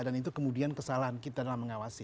dan itu kemudian kesalahan kita dalam mengawasi